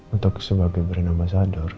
untuk sebagai brand ambasador